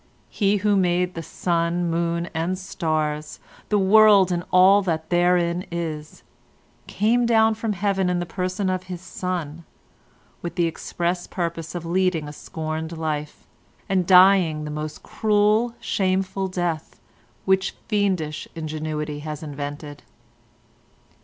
He who made the sun, moon and stars, the world and all that therein is, came down from Heaven in the person of his Son, with the express purpose of leading a scorned life, and dying the most cruel, shameful death which fiendish ingenuity has invented.